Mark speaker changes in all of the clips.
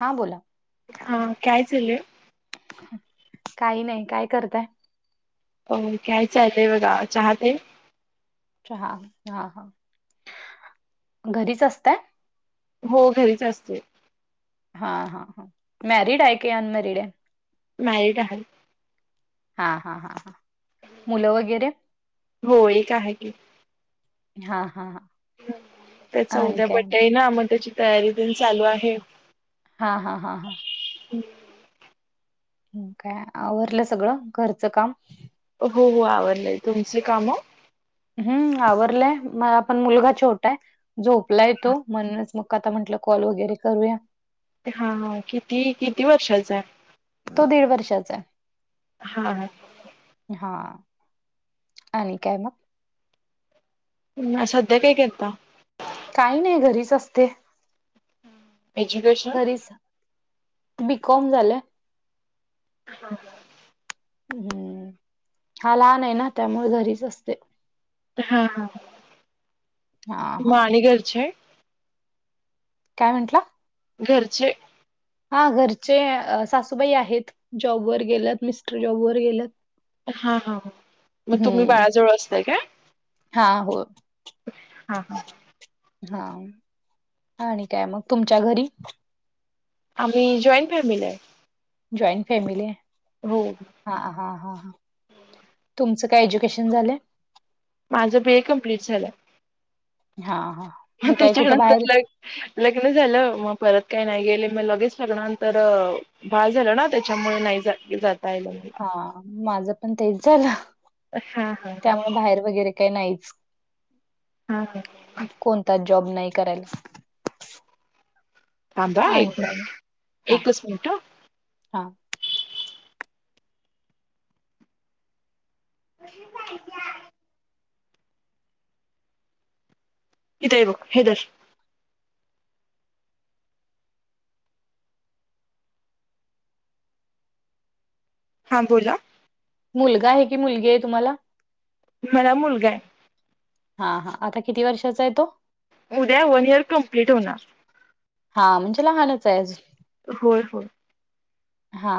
Speaker 1: हां बोला
Speaker 2: हा काय चाललंय
Speaker 1: काही नाही काय करताय
Speaker 2: हो काय चाललंय बघा चहा तेन
Speaker 1: चहा हा हा घरीच असताय
Speaker 2: हो घरीच असते.
Speaker 1: हा हा हा मॅरिड आहे की अनमॅरिड आहे.
Speaker 2: मॅरिड आहे.
Speaker 1: हा हा हा हा मुलं वगैरे
Speaker 2: हो एक आहे की
Speaker 1: हा हा हा
Speaker 2: त्याचा
Speaker 1: आणि
Speaker 2: उद्या
Speaker 1: काय
Speaker 2: बर्थडे आहे ना मग त्याची तयारी तेन चालू आहे
Speaker 1: हा हा हा
Speaker 2: हम
Speaker 1: हम्म आवरलं सगळं घरचं काम
Speaker 2: हो हो आवरलय तुमची कामं
Speaker 1: हम्म आवरलंय मला पण मुलगा छोटा आहे, झोपलाय तो म्हणूनच मग आता म्हंटलं कॉल वगैरे करूया
Speaker 2: हा हा किती किती वर्षाचा आहे
Speaker 1: तो दीड वर्षाचा आहे
Speaker 2: हा हा
Speaker 1: हा आणि काय मग,
Speaker 2: सध्या काय करता
Speaker 1: काही नाही घरीच असते,
Speaker 2: एज्युकेशन
Speaker 1: घरीच बीकॉम झालंय
Speaker 2: हा हा
Speaker 1: हम्म हा लहान आहे ना त्यामुळे घरीच असतोय.
Speaker 2: हा हा
Speaker 1: हा हा
Speaker 2: आणि घरचे
Speaker 1: काय म्हंटल?
Speaker 2: घरचे
Speaker 1: हा घरचे सासूबाई आहेत जॉब वर गेल्यात मिस्टर जॉब वर गेलत.
Speaker 2: हा हा, मग तुम्ही
Speaker 1: हम्म.
Speaker 2: बाळाजवळ असताय का?
Speaker 1: हा, हो.
Speaker 2: हां हां.
Speaker 1: हा आणि काय मग तुमच्या घरी?
Speaker 2: आम्ही जॉईन फॅमिली आहे.
Speaker 1: जॉईन फॅमिली आहे.
Speaker 2: हो
Speaker 1: हा हा हा तुमचं काय एज्युकेशन झालंय?
Speaker 2: माझं बी ए कम्प्लीट झालं.
Speaker 1: हा हा.
Speaker 2: मग
Speaker 1: काय कुठं
Speaker 2: त्याच्यानंतर
Speaker 1: बाहेर
Speaker 2: ला लग्न झालं मग परत काय नाही गेले मग लगेच लग्नानंतर बाळ झालं ना त्याच्यामुळे नाही जाता आल.
Speaker 1: हा माझं पण तेच झालं
Speaker 2: हा हा
Speaker 1: त्यामुळे बाहेर वगैरे काही नाहीच.
Speaker 2: हा का.
Speaker 1: कोणताच जॉब नाही करायच.
Speaker 2: थांंबा हा एक एकच मिनिट हे.
Speaker 1: हा‌.
Speaker 2: कशी आहे त्या [unintelligible] इथय बघ हे धर. हां बोला.
Speaker 1: मुलगा आहे, की मुलगी आहे तुम्हाला?
Speaker 2: मला मुलगा आहे.
Speaker 1: हा हा, आता किती वर्षाचा आहे तो?
Speaker 2: उद्या वन इयर कम्प्लीट होणार.
Speaker 1: हा म्हणजे लहानच आहे अजून.
Speaker 2: होय, होय.
Speaker 1: हा.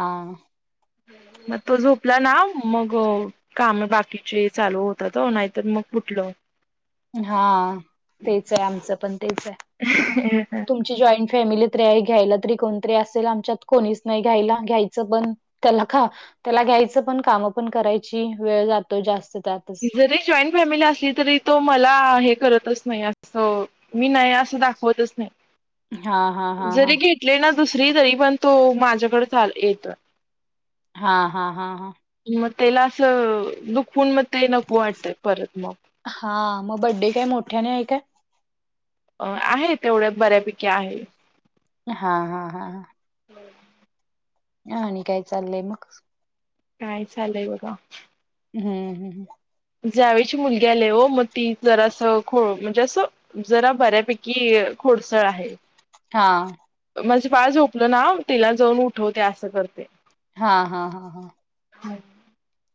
Speaker 2: मग तो झोपला ना मग काम बाकीचे चालू होतात ओ, नाहीतर मग कुठलं?
Speaker 1: हा तेच आहे, आमचं पण तेच आहे, तुम तुमची जॉईन फॅमिली तरी आहे घ्यायला तरी कोणतरी असेल आमच्यात कोणीच नाही घ्यायला, घ्यायचं पण त्याला खा त्याला घ्यायचं पण काम पण करायची वेळ जातो जास्त त्यात.
Speaker 2: जरी जॉईन फॅमिली असली तरी तो मला हे करतच नाही असं मी नाही असं दाखवतच नाही,
Speaker 1: हा हा हा हा
Speaker 2: जरी घे घेतली ना दुसरी तरी पण तो माझ्याकडेच येतो.
Speaker 1: हा हा हा हा.
Speaker 2: मग तेला असं दुखवून मग ते नको वाटतयं परत मग.
Speaker 1: हा मग बड्डे काय मोठ्याने आहे काय?
Speaker 2: अ आहे तेवढ्या बऱ्यापैकी आहे.
Speaker 1: हा हा हा ह. आणि काय चाललंय मग?
Speaker 2: काय चाललय बघा.
Speaker 1: हम्म, हम्म.
Speaker 2: जावेची मुलगी आलीय हो मग ती जरा असं खो म्हणजे असं जरा बऱ्यापैकी खोडसळ आहे.
Speaker 1: हा
Speaker 2: माझं बाळ झोपलं ना तिला जाऊन उठवते असं करतीय.
Speaker 1: हा हा हा हा
Speaker 2: हम्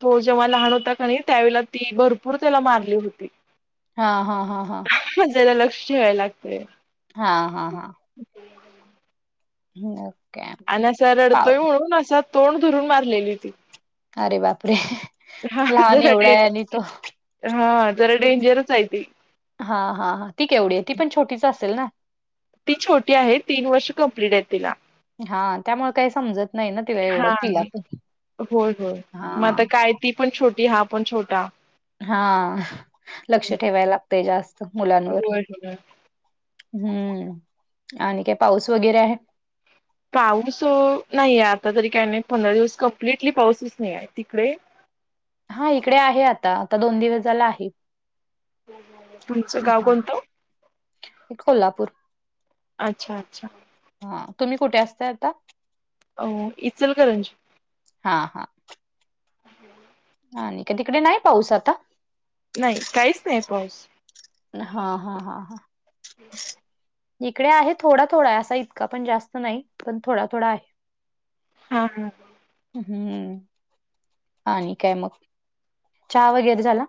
Speaker 2: हो जेव्हा तो लहान होता कणी त्यावेळेला ती भरपूर त्याला मारली होती.
Speaker 1: हा हा हा हा
Speaker 2: मग जरा लक्ष ठेवायला लागतंय.
Speaker 1: हा हा हा
Speaker 2: [inaudible]
Speaker 1: [inaudible]
Speaker 2: आणि असा रडतोय
Speaker 1: पाव
Speaker 2: म्हणून असा तोंड धरून मारलेली ती
Speaker 1: अरे बापरे
Speaker 2: हा
Speaker 1: लहान
Speaker 2: जरा
Speaker 1: एवढा
Speaker 2: डे
Speaker 1: आहे आणि तो
Speaker 2: हा जरा डेंजरच आहे ती
Speaker 1: हा हा हा ती केवढी हाय ती पण छोटीच असेल ना?
Speaker 2: ती छोटी आहे तीन वर्ष कम्प्लीट आहे तिला.
Speaker 1: हा त्यामुळे काय समजत नाही ना तिला एवढं
Speaker 2: हा
Speaker 1: तिला पण
Speaker 2: होय होय. मग
Speaker 1: हा
Speaker 2: आता काय ती पण छोटी हा पण छोटा.
Speaker 1: हा लक्ष ठेवायला लागतंय जास्त मुलांनवर
Speaker 2: होय होय.
Speaker 1: हम्म आणि काय पाऊस वगैरे आहे?
Speaker 2: पाऊस नाहीये आता तरी काय नाही पंधरा दिवस कंप्लिटली पाऊसच नाही आहे. तिकडे?
Speaker 1: हा इकडे आहे आता, आता दोन दिवस झाला आहे.
Speaker 2: तुमचं गाव
Speaker 1: हां,
Speaker 2: कोणतं?
Speaker 1: कोल्हापूर.
Speaker 2: अच्छा अच्छा
Speaker 1: हा तुम्ही कुठे असताय आता?
Speaker 2: अ इचलकरंजी
Speaker 1: हा हा आणि तिकडे नाही पाऊस आता?
Speaker 2: नाही काहीच नाही पाऊस.
Speaker 1: हा हा हा हा इकडे आहे थोडा थोडा असा इतका पण जास्त नाही पण थोडा थोडा आहे.
Speaker 2: हा हा
Speaker 1: हम्म आणि काय मग चहा वगैरे झाला?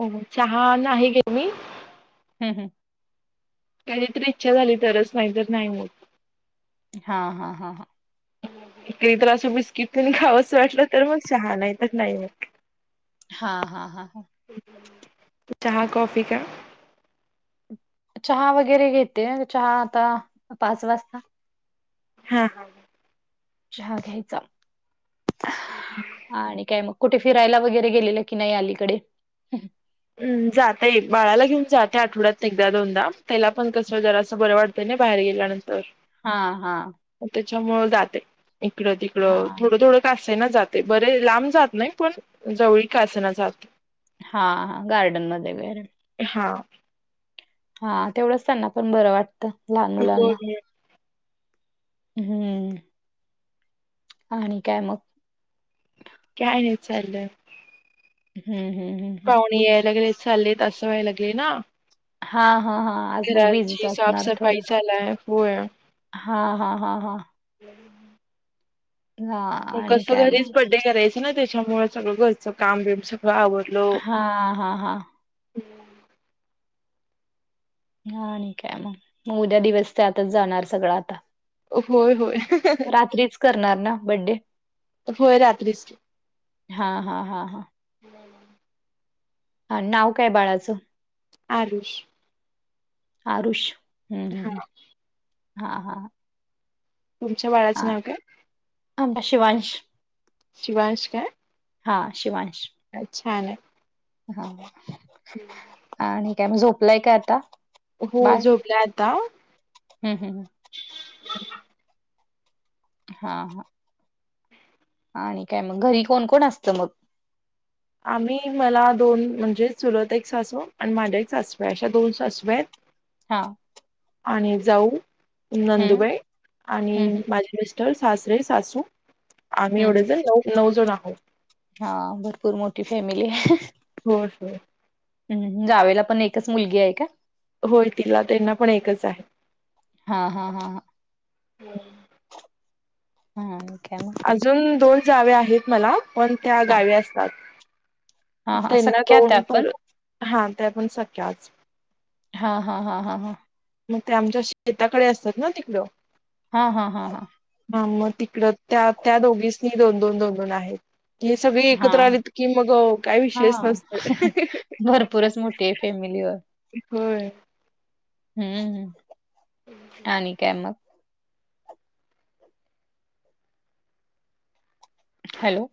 Speaker 2: हो चहा नाही घेत मी.
Speaker 1: हम्म हम्म
Speaker 2: कधी तरी इच्छा झाली तरच नाहीतर नाही मग
Speaker 1: हा हा हा हा
Speaker 2: कधीतर असं बिस्किट कणी खावंस वाटलं तर मग चहा नाही तर नाही मग.
Speaker 1: हा हा हा हा
Speaker 2: चहा कॉफी का?
Speaker 1: चहा वगैरे घेते चहा आता पाच वाजता.
Speaker 2: हा हा
Speaker 1: चहा घ्यायचा आणि काय मग? कुठं फिरायला वगैरे गेलेलं की नाय अलीकडे?
Speaker 2: हम्म जाते, बाळाला घेऊन जाते, आठवड्यात एकदा- दोनदा त्याला पण कसं जरासं बर वाट ते ना बाहेर गेल्यानंतर
Speaker 1: हा-हा.
Speaker 2: त्याच्यामुळ जाते
Speaker 1: हा
Speaker 2: इकडं-तिकडं थोडं-थोडं का असेना जा ते बरंय लांब जात नाही, पण जवळी का असेना जात
Speaker 1: हा गार्डन मध्ये वैगरे.
Speaker 2: हा.
Speaker 1: हा तेवढंच त्यांना पण बरं वाटतं, लहान
Speaker 2: हो
Speaker 1: मुलांना. हम्म. आणि काय मग?
Speaker 2: काय नाही चाललंय.
Speaker 1: हम् हम् हम्.
Speaker 2: पाहुणे यायला लागलेत- चाललेत, असं व्हाय लागले ना.
Speaker 1: हां-हां-हां.
Speaker 2: घराची साफ- सफाई झाल्याय होया
Speaker 1: हां-हां-हां-हां.
Speaker 2: [unintelligible]
Speaker 1: हां.
Speaker 2: मग कसं घरीच बड्डे करायचं ना, त्याच्यामुळे सगळं घरचं काम बिम सगळं आवर
Speaker 1: हां-हां-हां. हां आणि काय मग. मग उद्या दिवस त्यातच जाणार सगळा आता.
Speaker 2: होय होय
Speaker 1: रात्रीच करणार ना बड्डे.
Speaker 2: होय रात्रीच की
Speaker 1: हां-हां-हां-हां. अन नाव काय बाळाचं?
Speaker 2: आरुष.
Speaker 1: आरुष हम्म हम्म हम्म हां-हां.
Speaker 2: तुमच्या बाळाचं नाव काय?
Speaker 1: आंबा शिवांश.
Speaker 2: शिवांश काय?
Speaker 1: हां शिवांश.
Speaker 2: अं छानय.
Speaker 1: हां आणि काय म झोपलाय का आता?
Speaker 2: हो झोपलाय आता.
Speaker 1: ह्म-ह्म-ह्म. हां हं. आणि काय मग घरी कोण-कोण असतं मग?
Speaker 2: आम्ही मला दोन म्हणजे चुलत एक सासू आणि मांडळीतं सासू आहे अशा दोन सासू आहेत.
Speaker 1: हां.
Speaker 2: आणि जाऊ,
Speaker 1: हं,
Speaker 2: नंदुबाई आणि
Speaker 1: हं, हं.
Speaker 2: माझे मिस टर, सासरे, सासू आम्ही
Speaker 1: हं, हं.
Speaker 2: एवढेजण नऊ- नऊ जण आहोत.
Speaker 1: हां भरपूर मोठी फॅमिली आहे.
Speaker 2: होय-होय.
Speaker 1: हम्म, जावेला पण एकच मुलगी आहे का?
Speaker 2: होय तिला, त्यांना पण एकच आहे.
Speaker 1: हां, हां, हां, हां हां आणि काय म
Speaker 2: अजून दोन जावे आहेत मला पण त्या
Speaker 1: हां,
Speaker 2: गावी असतात
Speaker 1: हां, हां.
Speaker 2: त्यांना
Speaker 1: सख्या आहात
Speaker 2: दोन
Speaker 1: आपण?
Speaker 2: पोर हां त्या पण सख्याच
Speaker 1: हां, हां, हां, हां, हां
Speaker 2: मग त्या आमच्या शेताकडे असतात ना तिकडं
Speaker 1: हां, हां, हां, हां
Speaker 2: हां म तिकडं त्या, त्या दोघीसनी दोन, दोन, दोन, दोन आहेत ही सगळी एकत्र
Speaker 1: हां,
Speaker 2: आलीत की मग काय विषयच
Speaker 1: हां.
Speaker 2: नसतय
Speaker 1: भरपूरच मोठी आहे फॅमिली अ
Speaker 2: होय
Speaker 1: हम्म ह आणि काय मग हॅलो